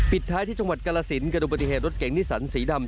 ปิดท้ายที่จังหวัดกลาศิลป์กระดูกปฏิเหตุรถเก๋งนิสันสีดำ